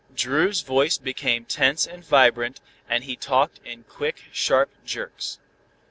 Dru's voice became tense and vibrant, and he talked in quick sharp jerks.